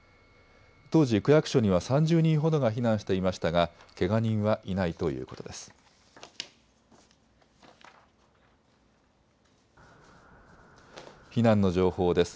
当時、区役所には３０人ほどが避難していましたがけが人はいないということです。